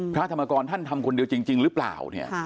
พระธรรมกรท่านทำคนเดียวจริงหรือเปล่าเนี่ย